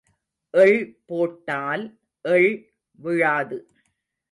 எள் போட்டால் எள் விழாது.